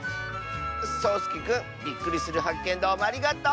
そうすけくんびっくりするはっけんどうもありがとう！